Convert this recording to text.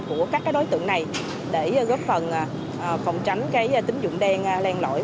của các đối tượng này để góp phần phòng tránh tính dụng đen len lõi